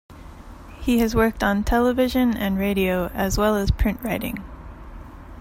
He has worked on television and radio as well as print writing.